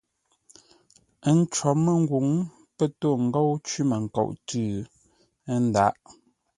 Ə́ ncwôr məngwûŋ; pə́ tô ńgôu cwímənkoʼ tʉ̌. Ə́ ndǎghʼ.